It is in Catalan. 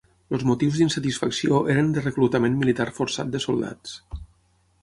Els motius d'insatisfacció eren de reclutament militar forçat de soldats.